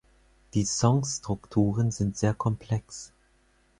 Die Songstrukturen sind sehr komplex.